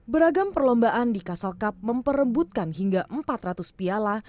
beragam perlombaan di castle cup memperebutkan hingga empat ratus piala